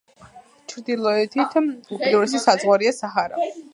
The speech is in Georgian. ჩრდილოეთით უკიდურესი საზღვარია საჰარა.